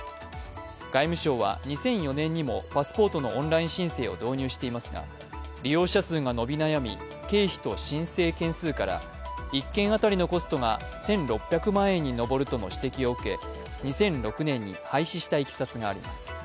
外務省は２００４年にもパスポートのオンライン申請を導入していますが、利用者数が伸び悩み、経費と申請件数から１件当たりのコストが１６００万円に上るとの指摘を受け２００６年に廃止したいきさつがあります。